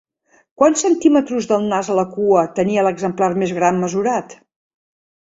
Quants cm del nas a la cua tenia l'exemplar més gran mesurat?